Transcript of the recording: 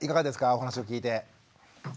お話を聞いて。